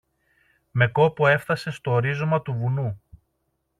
Με κόπο έφθασε στο ρίζωμα του βουνού